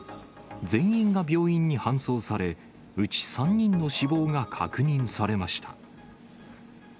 全員が病院に搬送され、うち３人の死亡が確認されました。